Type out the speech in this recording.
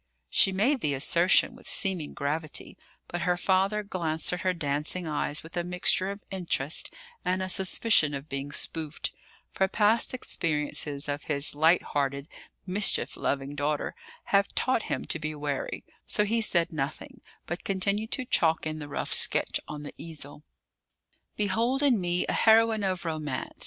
She made the assertion with seeming gravity, but her father glanced at her dancing eyes with a mixture of interest and a suspicion of being spoofed; for past experiences of his light hearted, mischief loving daughter had taught him to be wary; so he said nothing, but continued to chalk in the rough sketch on the easel. "Behold in me a heroine of romance!"